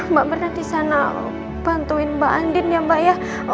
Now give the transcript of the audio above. mbak pernah disana bantuin mbak andin ya mbak ya